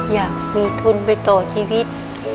อยากมีทุนไปต่อชีวิต